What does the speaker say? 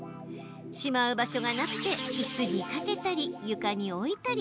しまう場所がなくていすに掛けたり、床に置いたり。